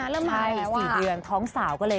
เนี้ยเราร